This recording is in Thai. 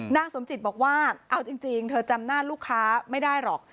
นางสมจิตบอกว่าเอาจริงเธอจำหน้าลูกค้าไม่ได้หรอก